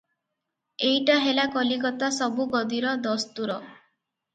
ଏଇଟା ହେଲା କଲିକତା ସବୁ ଗଦିର ଦସ୍ତୁର ।